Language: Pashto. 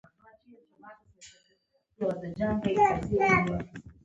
د اصولو پابندي د ټولنې پرمختګ تضمینوي.